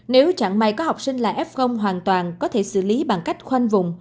nếu chẳng may có học sinh là f hoàn toàn có thể xử lý bằng cách khoanh vùng